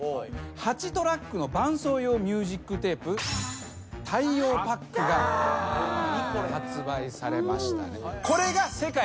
８トラックの伴奏用ミュージックテープ太洋パックが発売されました。